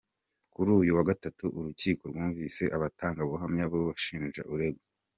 Kuri uyu wa Gatatu urukiko rwumvise abatangabuhamya bashinja uregwa.